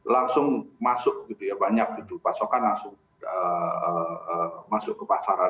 langsung masuk banyak pasokan langsung masuk ke pasaran